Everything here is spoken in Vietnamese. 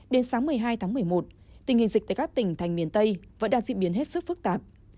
đến sáng một mươi hai tháng một mươi một tình hình dịch tại các tỉnh thành miền tây vẫn đang diễn biến hết sức phức tạp